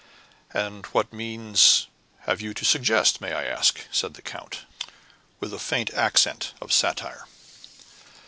"And what means have you to suggest, may I ask?" said the count, with a faint accent of satire.